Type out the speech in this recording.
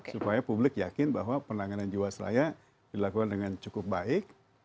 supaya publik yakin bahwa penanganan jiwasraya dilakukan dengan cukup baik